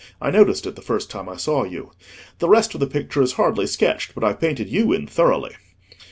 I noticed it the first time I saw you. The rest of the picture is hardly sketched; but I've painted you in thoroughly."